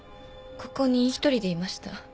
ここに一人でいました。